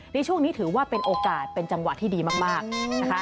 ในช่วงนี้ถือว่าเป็นโอกาสเป็นจังหวะที่ดีมากนะคะ